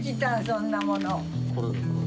そんなもの。